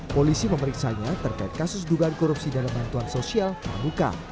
polisi memeriksanya terkait kasus dugaan korupsi dana bantuan sosial pramuka